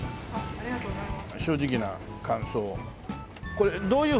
ありがとうございます。